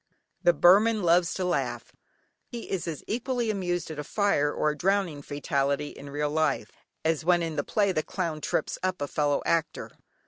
The Burman loves to laugh. He is as equally amused at a fire or a drowning fatality in real life, as when in the play the clown trips up a fellow actor.